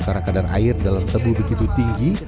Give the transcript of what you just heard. karena kadar air dalam tebu begitu tinggi